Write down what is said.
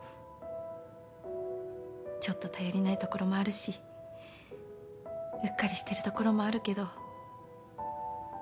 ちょっと頼りないところもあるしうっかりしてるところもあるけど。